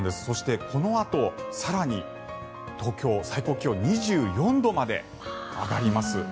そして、このあと更に東京最高気温２４度まで上がります。